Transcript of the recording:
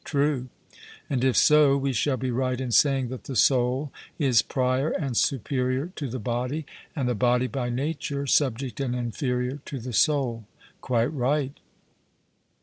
'True.' And if so, we shall be right in saying that the soul is prior and superior to the body, and the body by nature subject and inferior to the soul? 'Quite right.'